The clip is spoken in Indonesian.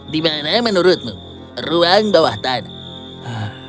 di mana menurutmu ruang bawah tanah